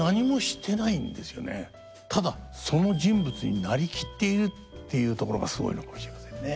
ただ「その人物になりきっている」っていうところがすごいのかもしれませんね。